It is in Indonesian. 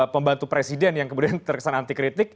pembantu presiden yang kemudian terkesan anti kritik